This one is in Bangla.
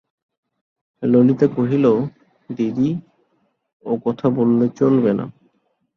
ললিতা কহিল, দিদি, ও কথা বললে চলবে না।